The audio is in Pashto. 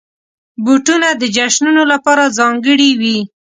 بوټونه د جشنونو لپاره ځانګړي وي.